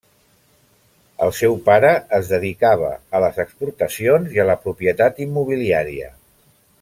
El seu pare es dedicava a les exportacions i a la propietat immobiliària.